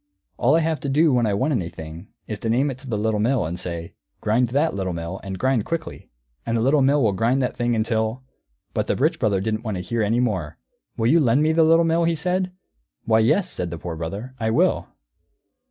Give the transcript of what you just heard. All I have to do when I want anything is to name it to the Little Mill, and say, 'Grind that, Little Mill, and grind quickly,' and the Little Mill will grind that thing until " But the Rich Brother didn't wait to hear any more. "Will you lend me the Little Mill?" he said. "Why, yes," said the Poor Brother, "I will."